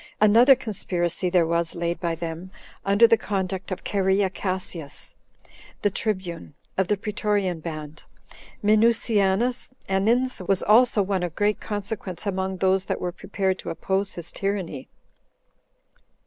Another conspiracy there was laid by them, under the conduct of Cherea Cassius, the tribune [of the Pretorian band]. Minucianus Annins was also one of great consequence among those that were prepared to oppose his tyranny.